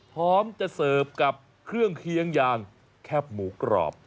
พร้อมจะเสิร์ฟกับเครื่องเคียงยางแคบหมูกรอบ